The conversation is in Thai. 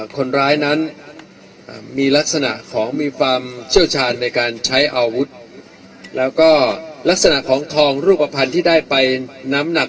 คนร้ายนั้นมีลักษณะของมีความเชี่ยวชาญในการใช้อาวุธแล้วก็ลักษณะของทองรูปภัณฑ์ที่ได้ไปน้ำหนัก